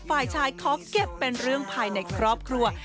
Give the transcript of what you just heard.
ฝ่ายชายขอเก็บเป็นเรื่องภายในครอบครัว